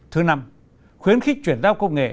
thứ năm khuyến khích chuyển giao công nghệ